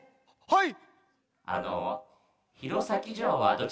はい。